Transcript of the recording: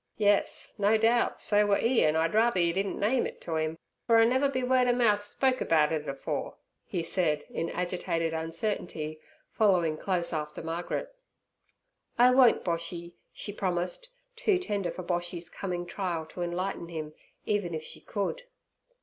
Yes, no doubt so were 'e, an' I'd rather yer didn' name it to 'im, fer I never be word ov mouth spoke about it afore' he said, in agitated uncertainty following close after Margaret. 'I won't, Boshy' she promised, too tender for Boshy's coming trial to enlighten him, even if she could.